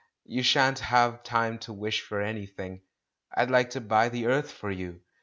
You shan't have time to wish for any thing — I'd like to buy the Earth for you!